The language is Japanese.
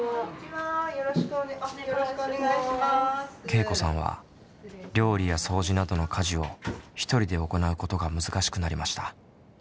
けいこさんは料理や掃除などの家事を１人で行うことが難しくなりました。